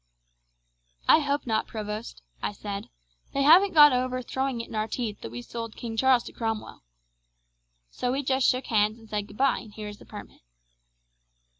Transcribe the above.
"'I hope not, provost,' I said. 'They haven't got over throwing it in our teeth that we sold King Charles to Cromwell.' So we just shook hands and said goodbye, and here is the permit."